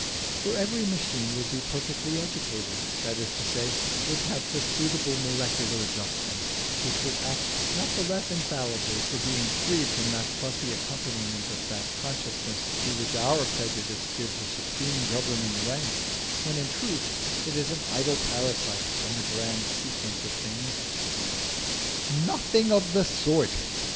For every machine would be perfectly educated, that is to say, would have the suitable molecular adjustments, which would act not the less infallibly for being free from the fussy accompaniment of that consciousness to which our prejudice gives a supreme governing rank, when in truth it is an idle parasite on the grand sequence of things." "Nothing of the sort!"